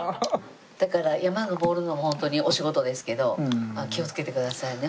だから山登るのもホントにお仕事ですけど気をつけてくださいね